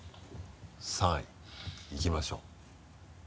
３位いきましょう。